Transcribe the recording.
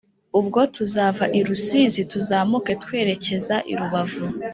ubwo tuzava i rusizi, tuzamuke twerekeza i rubavu